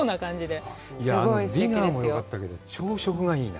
あのディナーもよかったけど、朝食がいいな。